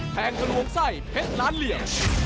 แทงทะลวงไส้เพชรล้านเหลี่ยม